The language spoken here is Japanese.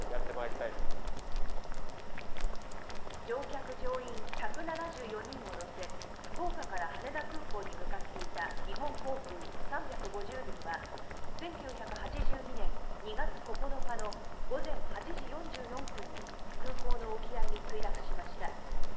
乗客・乗員１７４人を乗せ福岡から羽田空港に向かっていた日本航空３５０便は１９８２年２月９日の午前８時４４分に空港の沖合に墜落しました。